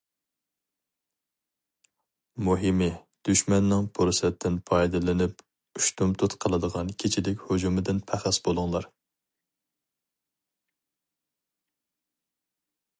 مۇھىمى دۈشمەننىڭ پۇرسەتتىن پايدىلىنىپ ئۇشتۇمتۇت قىلىدىغان كېچىلىك ھۇجۇمىدىن پەخەس بولۇڭلار!